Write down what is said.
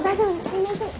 すいません。